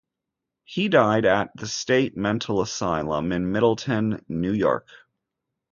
He died at the State Mental Asylum at Middletown, New York.